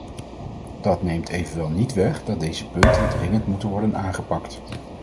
Dat neemt evenwel niet weg dat deze punten dringend moeten worden aangepakt.